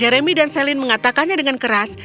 jeremy dan celine mengatakannya dengan keras